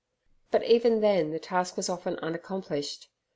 But even then the task was often unaccomplished.